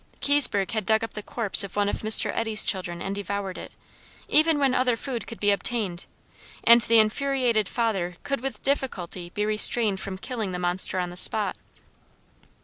Kiesburg had dug up the corpse of one of Mr. Eddy's children and devoured it, even when other food could be obtained, and the enfuriated father could with difficulty be restrained from killing the monster on the spot.